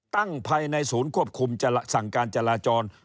ภายในศูนย์ควบคุมสั่งการจราจร